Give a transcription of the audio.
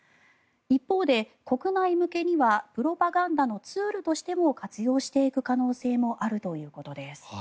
一方で、国内向けにはプロパガンダのツールとしても活用していく可能性もあるということです。